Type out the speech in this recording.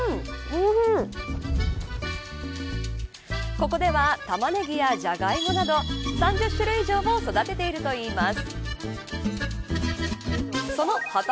ここではタマネギやジャガイモなど３０種類以上も育てているといいます。